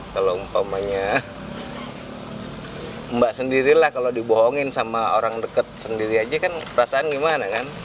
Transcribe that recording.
kalau umpamanya mbak sendiri lah kalau dibohongin sama orang dekat sendiri aja kan perasaan gimana kan